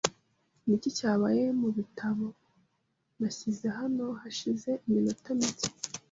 Niki cyabaye mubitabo nashyize hano hashize iminota mike?